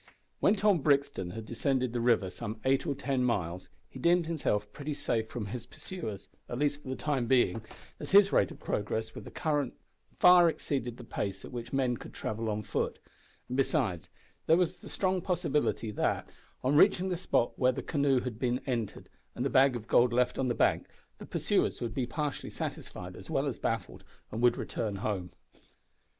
When Tom Brixton had descended the river some eight or ten miles he deemed himself pretty safe from his pursuers, at least for the time being, as his rate of progress with the current far exceeded the pace at which men could travel on foot; and besides, there was the strong probability that, on reaching the spot where the canoe had been entered and the bag of gold left on the bank, the pursuers would be partially satisfied as well as baffled, and would return home.